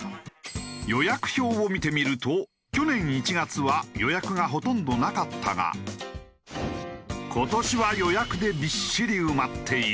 予約表を見てみると去年１月は予約がほとんどなかったが今年は予約でびっしり埋まっている。